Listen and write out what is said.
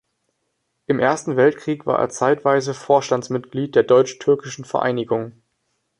Im Ersten Weltkrieg war er zeitweise Vorstandsmitglied der Deutsch-türkischen Vereinigung.